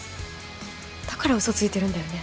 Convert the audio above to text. だからウソついてるんだよね？